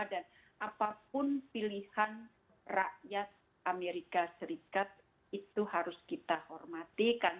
dan apapun pilihan rakyat amerika serikat itu harus kita hormatikan